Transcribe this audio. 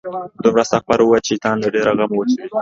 دومره استغفار وایه، چې شیطان له ډېره غمه وچوي